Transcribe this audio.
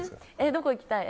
どこ行きたい？